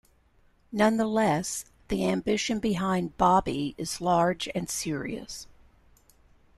Nonetheless the ambition behind "Bobby" is large and serious.